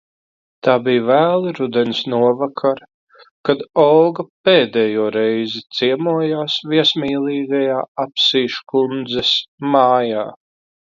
Tā bija vēla rudens novakare, kad Olga pēdējo reizi ciemojās viesmīlīgajā Apsīškundzes mājā.